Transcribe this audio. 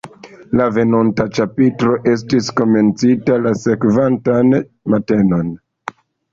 La venonta ĉapitro estis komencita la sekvantan matenon.